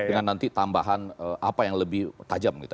dengan nanti tambahan apa yang lebih tajam gitu